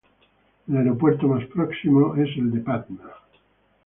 El aeropuerto más próximo es el de Patna.